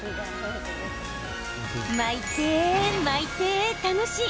巻いて、巻いて、楽しい！